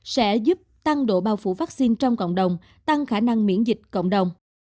sẽ giúp tăng độ bao phủ vaccine trong cộng đồng tăng khả năng miễn dịch cộng đồng